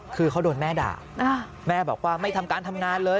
คือเขาโดนแม่ด่าแม่บอกว่าไม่ทำการทำงานเลย